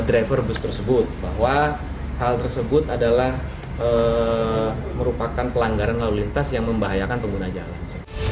driver bus tersebut bahwa hal tersebut adalah merupakan pelanggaran lalu lintas yang membahayakan pengguna jalan